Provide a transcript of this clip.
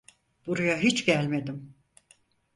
Buraya hiç gelmedim.